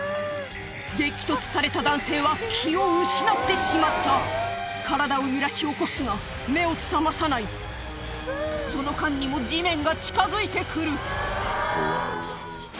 激突された男性は気を失ってしまった体を揺らし起こすが目を覚まさないその間にも地面が近づいて来る